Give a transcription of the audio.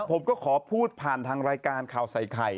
ผมก็ขอพูดผ่านทางรายการข่าวใส่ไข่